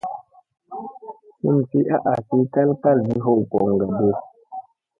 Hinsi a asi kal kalfiɗi hu goŋga di.